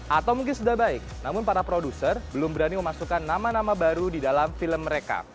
atau mungkin sudah baik namun para produser belum berani memasukkan nama nama baru di dalam film mereka